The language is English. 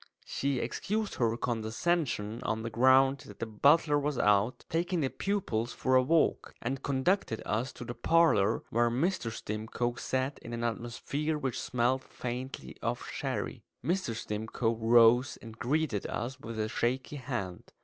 She excused her condescension on the ground that the butler was out, taking the pupils for a walk; and conducted us to the parlour, where Mr. Stimcoe sat in an atmosphere which smelt faintly of sherry. Mr. Stimcoe rose and greeted us with a shaky hand.